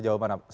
sejauh mana pak